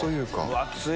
分厚い！